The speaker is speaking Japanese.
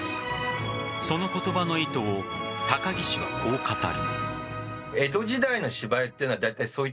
その言葉の意図を高木氏は、こう語る。